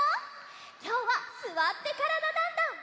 きょうは「すわってからだ☆ダンダン」。